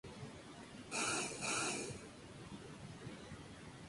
Sus símbolos son objetos dobles: tambores, campanillas o tinajas.